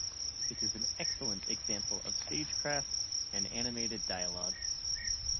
It is an excellent example of stagecraft and animated dialogue.